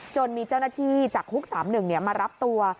จนมีเจ้าหน้าที่จากฮุก๓๑มารับตัว